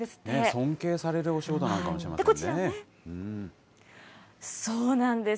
尊敬されるお仕事なのかもしそうなんです。